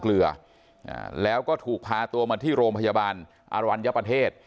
เกลืออ่าแล้วก็ถูกพาตัวมาที่โรงพยาบาลอรันทร์เยอะประเทศ